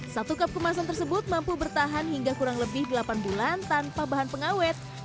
satu cup kemasan tersebut mampu bertahan hingga kurang lebih delapan bulan tanpa bahan pengawet